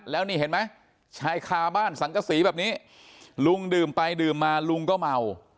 แล้วนี่เห็นไหมชายคาบ้านสังกษีแบบนี้ลุงดื่มไปดื่มมาลุงก็เมา